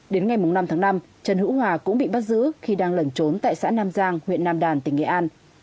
đến ngày năm tháng năm trần hữu hòa cũng bị bắt giữ khi đang lẩn trốn tại xã nam giang huyện nam đàn tỉnh nghệ an